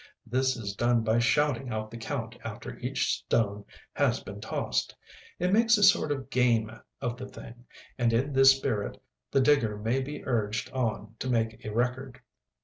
This is done by shouting out the count after each stone has been tossed. It makes a sort of game of the thing, and in this spirit the digger may be urged on to make a record.